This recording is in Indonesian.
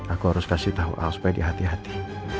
aku harus kasih tahu al supaya dia hati hati